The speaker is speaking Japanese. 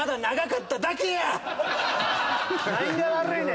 何が悪いねん。